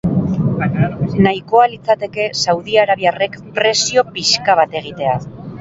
Nahikoa litzateke saudiarabiarrek presio pixka bat egitea.